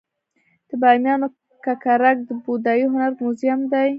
د بامیانو ککرک د بودايي هنر موزیم دی